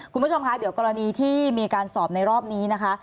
คุณผู้ชมคะเดี๋ยวกรณีที่มีการสอบในรอบนี้นะคะ